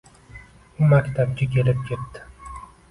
U maktabga kelib ketdi.